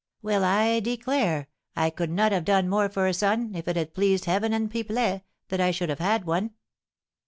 "Well, I declare, I could not have done more for a son, if it had pleased Heaven and Pipelet that I should have had one!"